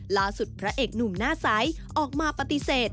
พระเอกหนุ่มหน้าใสออกมาปฏิเสธ